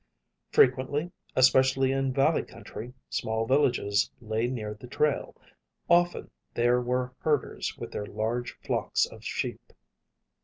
Frequently, especially in valley country, small villages lay near the trail. Often there were herders with their large flocks of sheep.